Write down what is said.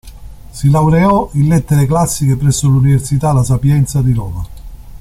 Si laureò in lettere classiche presso l'Università La Sapienza di Roma.